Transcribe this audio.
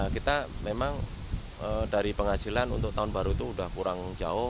kita memang dari penghasilan untuk tahun baru itu sudah kurang jauh